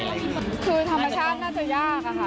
คือธรรมชาติน่าจะยาก